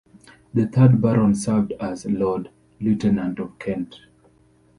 The third Baron served as Lord-Lieutenant of Kent.